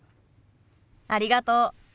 ありがとう。